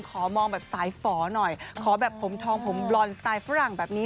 ขอมองแบบสายฝอหน่อยขอแบบผมทองผมบลอนสไตล์ฝรั่งแบบนี้